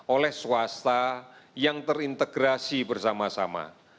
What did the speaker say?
oleh swasta yang terintegrasi bersama sama